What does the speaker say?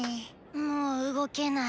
もう動けない。